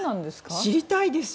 知りたいです。